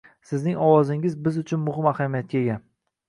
Sizning ovozingiz biz uchun muhim ahamiyatga ega.